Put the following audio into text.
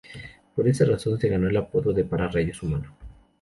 Por esta razón, se ganó el apodo de "Pararrayos humano".